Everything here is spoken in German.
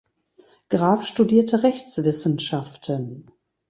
Graf studierte Rechtswissenschaften.